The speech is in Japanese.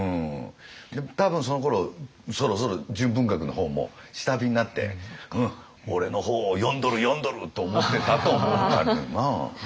多分そのころそろそろ純文学の方も下火になって「俺の本を読んどる読んどる！」と思ってたと思うんだけどな。